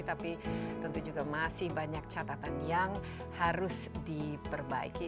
tapi tentu juga masih banyak catatan yang harus diperbaiki